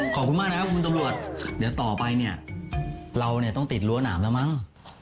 ขอบคุณมากนะครับคุณตำรวจเดี๋ยวต่อไปเนี่ยเราเนี่ยต้องติดรั้วหนามแล้วมั้ง